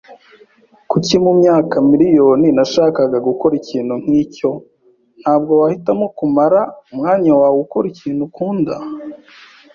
Kuki mumyaka miriyoni nashaka gukora ikintu nkicyo? Ntabwo wahitamo kumara umwanya wawe ukora ikintu ukunda?